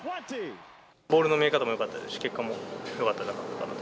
ボールの見え方もよかったですし、結果もよかったかなと。